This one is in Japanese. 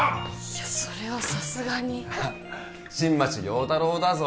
いやそれはさすがに新町亮太郎だぞ